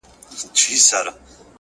د میني ترانې وایی پخپل لطیفه ژبه-